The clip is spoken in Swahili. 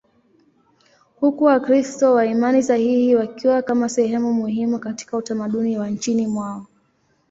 huku Wakristo wa imani sahihi wakiwa kama sehemu muhimu katika utamaduni wa nchini mwao.